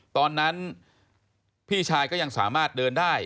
ตอนนั้นพี่ชายก็ยังสามารถเดินได้